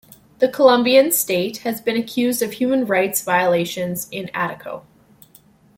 The Colombian state has been accused of human rights violations in Ataco.